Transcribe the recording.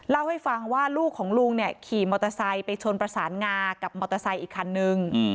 เล่าให้ฟังว่าลูกของลุงเนี่ยขี่มอเตอร์ไซค์ไปชนประสานงากับมอเตอร์ไซค์อีกคันนึง